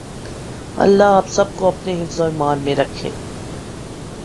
اللہ آپ سب کو اپنے حفظ و ایمان میں رکھے۔